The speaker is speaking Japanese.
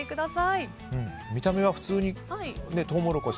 見た目は普通にトウモロコシ。